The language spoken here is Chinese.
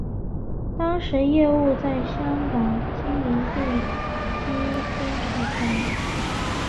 当时业务在香港经营地基工程项目。